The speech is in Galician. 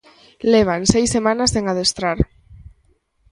Levan seis semanas sen adestrar.